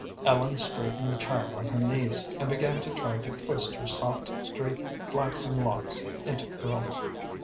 Ellen straightened the child on her knees, and began to try to twist her soft, straight flaxen locks into curls.